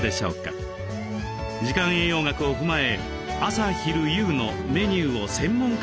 時間栄養学を踏まえ朝昼夕のメニューを専門家に伺いました。